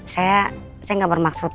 saya gak bermaksud